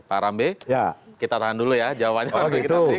pak arambe kita tahan dulu ya jawabannya pak arambe kita beri